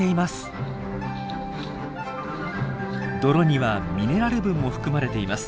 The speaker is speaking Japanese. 泥にはミネラル分も含まれています。